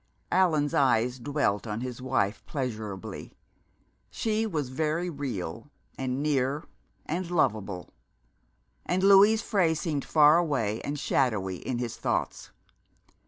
Allan's eyes dwelt on his wife pleasurably. She was very real and near and lovable, and Louise Frey seemed far away and shadowy in his thoughts.